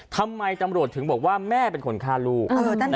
ทำไมตำรวจถึงบอกว่าแม่เป็นคนฆ่าลูก